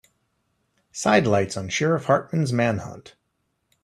Sidelights on Sheriff Hartman's manhunt.